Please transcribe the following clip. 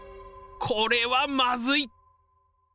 これはまずい！